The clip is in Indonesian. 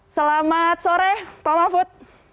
selamat sore pak mahfud